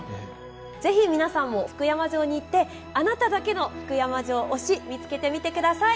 是非皆さんも福山城に行ってあなただけの福山城推し見つけてみてください。